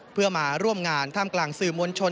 เพื่อมาร่วมงานท่ามกลางสื่อมวลชน